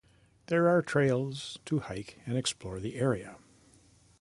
There are trails to hike and explore the area.